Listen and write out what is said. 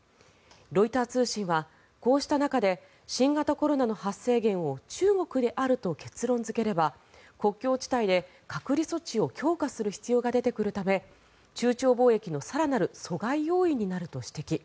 ロイター通信は、こうした中で新型コロナの発生源を中国であると結論付ければ国境地帯で隔離措置を強化する必要が出てくるため中朝貿易の更なる阻害要因になると指摘。